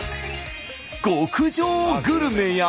極上グルメや。